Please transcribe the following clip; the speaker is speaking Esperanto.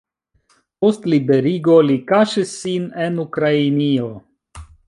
Post liberigo li kaŝis sin en Ukrainio.